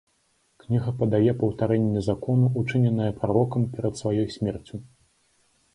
Кніга падае паўтарэнне закону, учыненае прарокам перад сваёй смерцю.